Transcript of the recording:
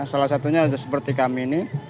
salah satunya seperti kami ini